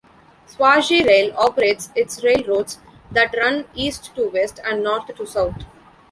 Swazi Rail operates its railroads that run east to west and north to south.